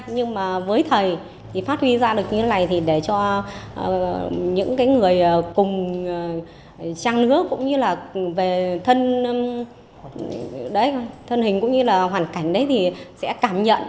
nhưng mà với thầy thì phát huy ra được như thế này thì để cho những người cùng trang lứa cũng như là về thân đấy thân hình cũng như là hoàn cảnh đấy thì sẽ cảm nhận